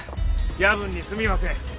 夜分にすみません。